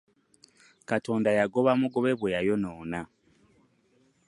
Katonda yagoba mugobe bwe yayonoona.